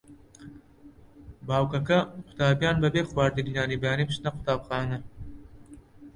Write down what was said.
باوە کە کە قوتابییان بەبێ خواردنی نانی بەیانی بچنە قوتابخانە.